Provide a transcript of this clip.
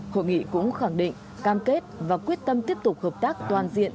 hội nghị cũng khẳng định cam kết và quyết tâm tiếp tục hợp tác toàn diện